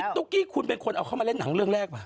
ตุ๊กกี้คุณเป็นคนเอาเข้ามาเล่นหนังเรื่องแรกป่ะ